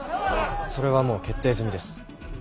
それはもう決定済みです。